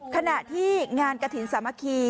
ขณะที่งานกระถิ่นสามัคคี